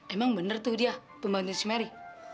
emang bener tuh dia pembantuin si mary